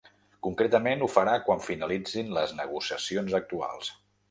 Concretament ho farà quan finalitzin les negociacions actuals.